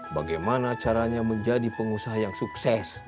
bagaimana caranya menjadi pengusaha yang sukses